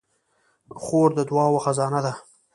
خور د دعاوو خزانه ده.